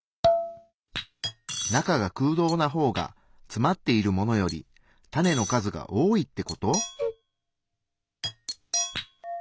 中が空洞なほうがつまっているものよりタネの数が多いってこと？